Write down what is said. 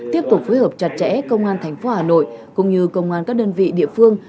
tiếp tục phối hợp chặt chẽ công an thành phố hà nội cũng như công an các đơn vị địa phương